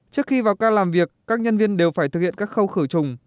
trước khi vào cao làm việc các nhân viên đều phải thực hiện các khâu khởi trùng